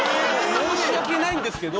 「申し訳ないんですけど」。